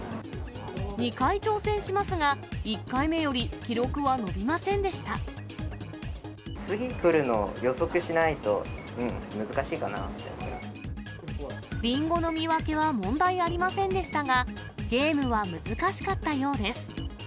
２回挑戦しますが、１回目よ次来るの、予測しないと難しりんごの見分けは問題ありませんでしたが、ゲームは難しかったようです。